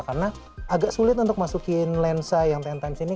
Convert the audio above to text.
karena agak sulit untuk masukin lensa yang sepuluh times ini